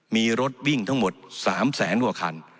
มีรถวิ่งทั้งหมด๓แสนกว่าคัน